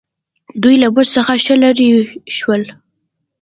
دوی له موږ څخه ښه لرې شول.